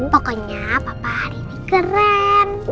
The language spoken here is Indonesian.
pokoknya papa ini keren